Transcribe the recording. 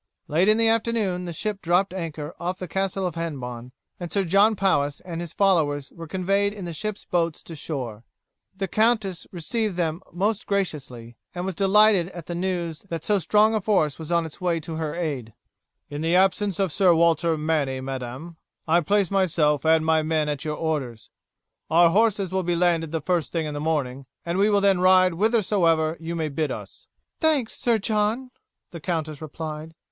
Late in the afternoon the ship dropped anchor off the castle of Hennebon, and Sir John Powis and his following were conveyed in the ship's boats to shore. The countess received them most graciously, and was delighted at the news that so strong a force was on its way to her aid. "In the absence of Sir Walter Manny, madam, I place myself and my men at your orders. Our horses will be landed the first thing in the morning, and we will then ride whithersoever you may bid us." "Thanks, Sir John," the countess replied.